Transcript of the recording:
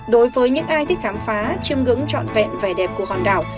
đối với những ai thích khám phá chiêm ngưỡng trọn vẹn vẻ đẹp của hòn đảo